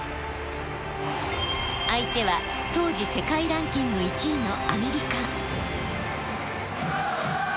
相手は当時世界ランキング１位のアメリカ。